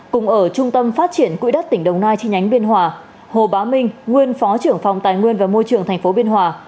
cùng ở trung tâm phát triển quỹ đất tỉnh đồng nai chi nhánh biên hòa hồ bá minh nguyên phó trưởng phòng tài nguyên và môi trường tp biên hòa